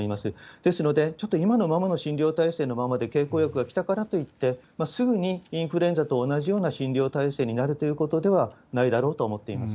ですので、ちょっと今のままの診療体制のままで経口薬が来たからといって、すぐにインフルエンザと同じような診療体制になるということではないだろうと思っています。